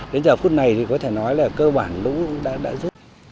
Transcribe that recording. đến giờ phút này thì có thể nói là cơ bản lũ đã dứt